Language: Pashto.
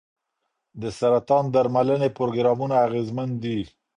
د سرطان درملنې پروګرامونه اغېزمن دي.